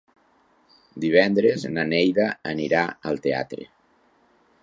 Divendres na Neida anirà al teatre.